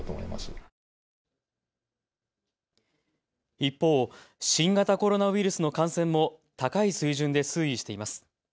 一方、新型コロナウイルスの感染も高い水準で推移しています。